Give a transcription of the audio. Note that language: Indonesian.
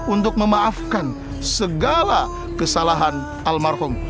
untuk memaafkan segala kesalahan almarhum